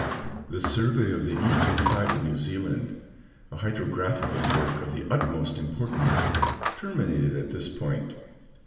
The survey of the eastern side of New Zealand, a hydrographical work of the utmost importance, terminated at this point.